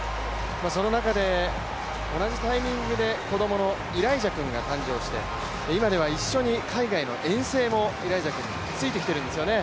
その中で、同じタイミングで子供のイライジャ君が誕生して今では一緒に海外の遠征もイライジャ君がついてきているんですよね。